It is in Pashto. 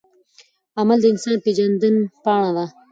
عمل د انسان پیژندپاڼه ده.